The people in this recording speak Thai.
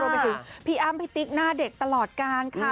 ไปถึงพี่อ้ำพี่ติ๊กหน้าเด็กตลอดการค่ะ